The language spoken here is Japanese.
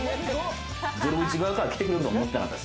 『ゼロイチ』側から来てくれると思わなかった。